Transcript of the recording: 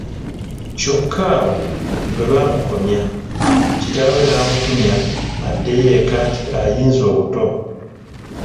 Kyokka awo we baamukomya, kitaawe n'amutumya addeyo eka nti ayinze obuto.